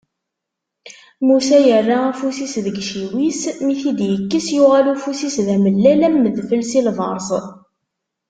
Musa yerra afus-is deg iciwi-s, mi t-id-ikkes, yuɣal ufus-is d amellal am udfel si lberṣ.